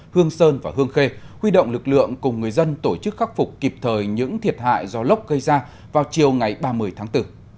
hương sơn và hương khê huy động lực lượng cùng người dân tổ chức khắc phục kịp thời những thiệt hại do lốc gây ra vào chiều ngày ba mươi tháng bốn